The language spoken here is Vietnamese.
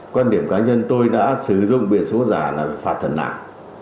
quan điểm cá nhân tôi đã sử dụng biển số giả là phạt thần nạn